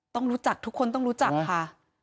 ต้องรู้จักทุกคนต้องรู้จักค่ะ